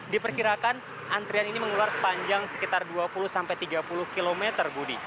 diperkirakan antrian ini mengular sepanjang sekitar dua puluh sampai tiga puluh km budi